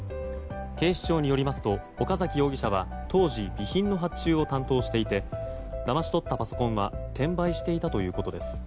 警視庁によりますと岡崎容疑者は当時、備品の発注を担当していてだまし取ったパソコンは転売していたということです。